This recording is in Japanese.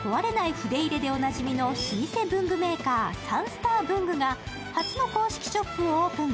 筆入」でおなじみの老舗文具メーカー、サンスター文具が初の公式ショップをオープン。